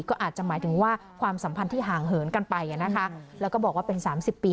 ก็อาจจะหมายถึงว่าความสัมพันธ์ที่ห่างเหินกันไปนะคะแล้วก็บอกว่าเป็น๓๐ปี